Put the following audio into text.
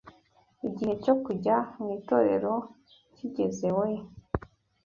Igihe cyo kujya mu itorero kigeze we